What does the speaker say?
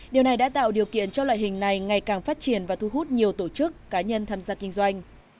điều này đã tạo điều kiện cho loại hình này ngày càng phát triển và thu hút nhiều tổ chức cá nhân tham gia kinh doanh